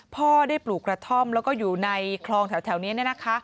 พ่อได้ปลูกกระท่อมแล้วก็อยู่ในคลองแถวนี้